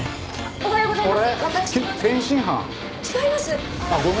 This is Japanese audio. おはようございます。